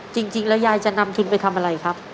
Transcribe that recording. จริงแล้วยายจะนำทุนไปทำอะไรครับ